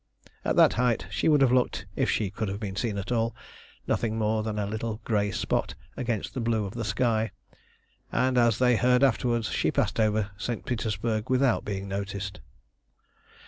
At that height she would have looked, if she could have been seen at all, nothing more than a little grey spot against the blue of the sky, and as they heard afterwards she passed over St. Petersburg without being noticed.